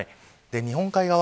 日本海側